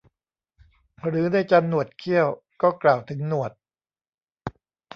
หรือนายจันหนวดเขี้ยว ก็กล่าวถึงหนวด